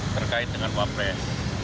terkait dengan wapres